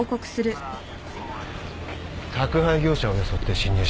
宅配業者を装って侵入したようです。